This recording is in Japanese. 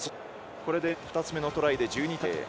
これで２つ目のトライで１２対０。